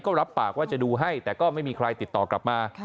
ก็รับปากว่าจะดูให้แต่ก็ไม่มีใครติดต่อกลับมา